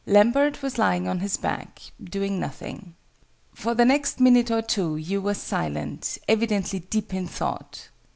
Lambert was lying on his back, doing nothing. For the next minute or two Hugh was silent, evidently deep in thought.